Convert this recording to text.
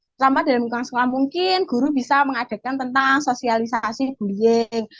selama dalam lingkungan sekolah mungkin guru bisa mengadakan tentang sosialisasi bullying